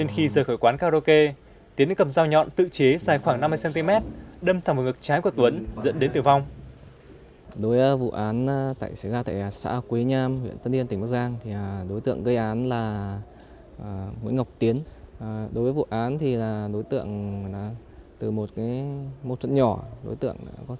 đến khi rời khỏi quán karaoke tiến đã cầm dao nhọn tự chế dài khoảng năm mươi cm đâm thẳng vào ngực trái của tuấn dẫn đến tử vong